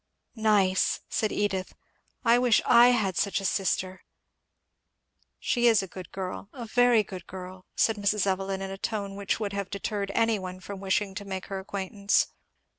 "Nice!" said Edith. "I wish I had such a sister!" "She is a good girl a very good girl," said Mrs. Evelyn, in a tone which would have deterred any one from wishing to make her acquaintance.